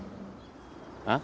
あっ？